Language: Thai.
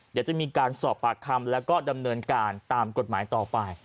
เดี๋ยวจะมีการสอบปากคำแล้วก็ดำเนินการตามกฎหมายต่อไป